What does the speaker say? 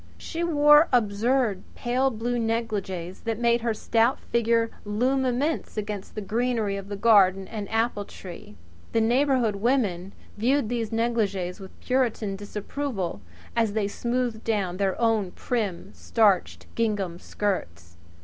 She wore absurd pale blue kimonos that made her stout figure loom immense against the greenery of garden and apple tree. The neighbourhood women viewed these negligées with Puritan disapproval as they smoothed down their own prim, starched gingham skirts.